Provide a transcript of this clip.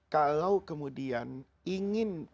kalau kemudian ingin